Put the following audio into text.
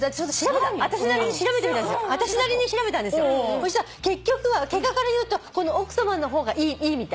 そしたら結果から言うとこの奥さまの方がいいみたい。